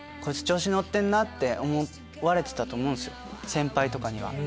先輩とかには。